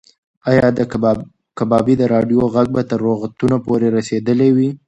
ایا د کبابي د راډیو غږ به تر روغتونه پورې رسېدلی وي؟